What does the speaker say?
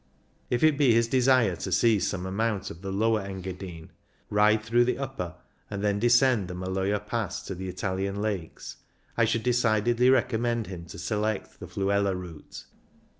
If it be his THE FLUELA 57 desire to see some amount of the Lower Engadine, ride through the Upper, and then descend the Maloja Pass to the Italian Lakes, I should decidedly recommend him to select the Fluela route.